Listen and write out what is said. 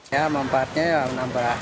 ya mempatnya ya menambah